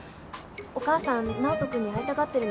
お母さん直人君に会いたがってるの。